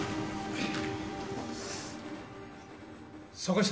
はい。